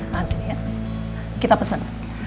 makan sini ya kita pesen